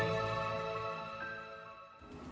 jalan jalan tol